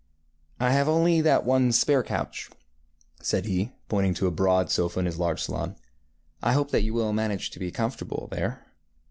ŌĆ£I have only that one spare couch, ŌĆØ said he, pointing to a broad sofa in his large salon; ŌĆ£I hope that you will manage to be comfortable there.